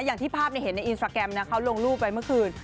อย่างที่ภาพเห็นในอินสตราแกรมนะเขาลงรูปไว้เมื่อคืน